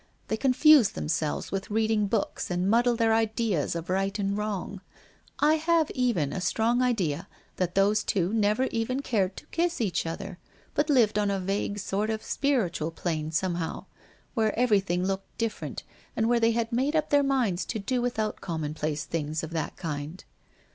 They confuse themselves with reading books and muddle their ideas of right and wrong. I have even a strong idea that those two never even cared to kiss each other, but lived on a vague sort of spiritual plane, somehow, where everything looked different and where they had made up their minds to do without commonplace things of that kind.